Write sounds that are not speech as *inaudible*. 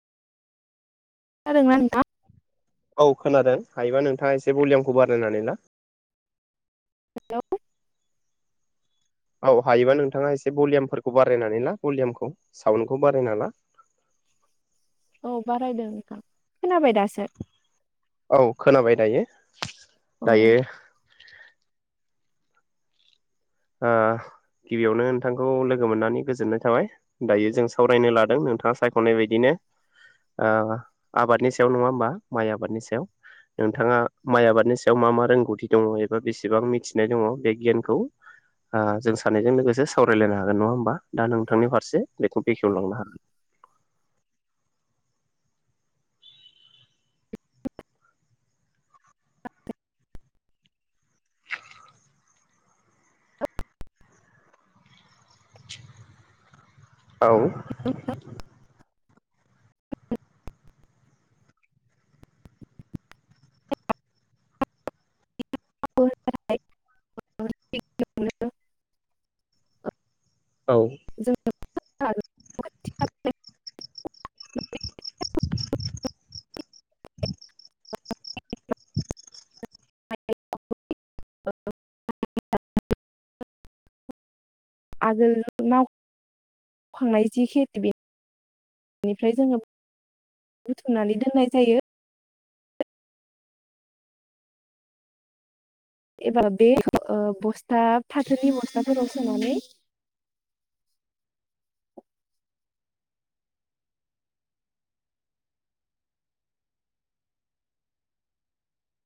जादोंना नोंथां। औ खोनादों हायोबा नोंथाङा एसे भलियामखौ बारायनानै ला। हेलौ। औ हायोबा नोंथाङा एसे भलियामफोरखौ बारायनानै ला भलिउामखौ साउन्डखौ बारायना ला। औ बारायदों नोंथां खोनाबाय दासो। औ खोनाबाय दायो। औ दायो। ओ गिबियावनो नोंथांखौ लोगो मोननानै गोजोननाय थाबाय दायो जों सावरायनो लादों नोंथाङा सायख'नाय बायदिनो ओ आबादनि सायाव नङा होमबा माइ आबादनि सायाव नोंथाङा माइ आबादनि सायाव मा मा रोंगौथि दङ एबा बेसेबां मिथिनाय दङ बे गियानखौ। ओ जों सानायजों लोगोसे सावरायलायनो हागोन नङा होमबा दा नोंथांनि फारसे। बेखौ बेखेवलांनो हागोन। औ। *unintelligible* औ। *unintelligible* आगोल माव खांनाय जि खेथि बेनिफ्राय जोङो बुथुमनानै दोननाय जायो। एबा बे ओ बस्था फाथोनि बस्थाफोराव सोनानै।